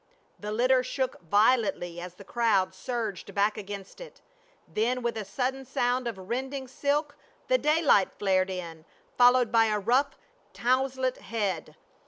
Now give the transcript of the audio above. The litter shook violently as the crowd surged back against it, then with a sudden sound of rending silk the daylight flared in, followed by a rough towsled head.